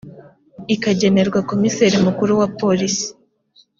ikagenerwa komiseri mukuru wa polisi